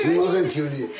急に。